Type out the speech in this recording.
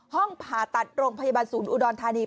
ห้องผ่าตัดโรงพยาบาลศูนย์อุดรธานี